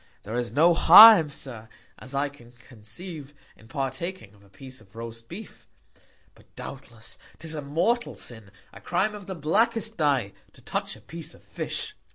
There is no Harm, Sir, as I can conceive, in partaking of a Piece of roast Beef; but, doubtless, 'tis a mortal Sin, a Crime of the blackest Dye, to touch a Piece of Fish.